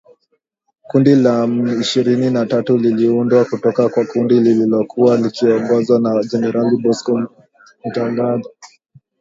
Kundi la m ishirini na tatu liliundwa kutoka kwa kundi lililokuwa likiongozwa na Generali Bosco Ntaganda